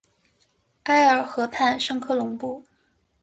埃尔河畔圣科隆布。